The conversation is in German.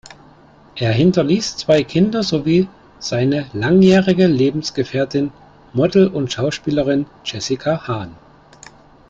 Er hinterließ zwei Kinder sowie seine langjährige Lebensgefährtin, Model und Schauspielerin Jessica Hahn.